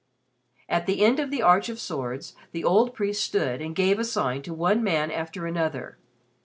At the end of the arch of swords, the old priest stood and gave a sign to one man after another.